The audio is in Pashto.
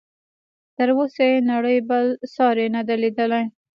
تر اوسه یې نړۍ بل ساری نه دی لیدلی.